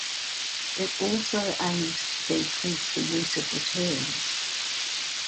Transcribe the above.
It also aims to decrease the use of the terms.